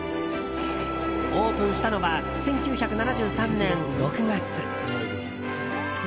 オープンしたのは１９７３年６月。